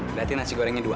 berarti nasi gorengnya dua